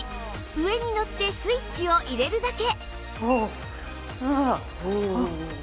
上に乗ってスイッチを入れるだけ